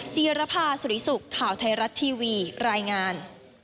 จีรภาสุริสุขข่าวไทยรัฐทีวีรายงาน